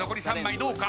どうか？